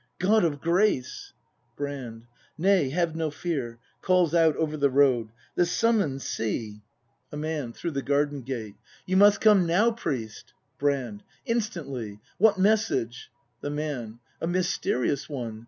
God of grace ! Brand. Nay, have no fear [Calls out over the road.] The summons, see! 116 BRAND [ACT III A Man. [Through the garden gate.] You must come now, priest! ) Brand. Instantly ! What message ? The Man. A mysterious one.